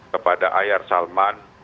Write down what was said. kepada ahyar salman